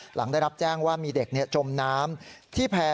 หลังได้รับแจ้งว่ามีเด็กจมน้ำที่แพร่